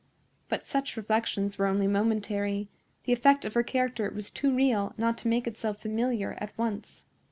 But such reflections were only momentary; the effect of her character was too real not to make itself familiar at once.